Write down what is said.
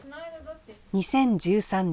２０１３年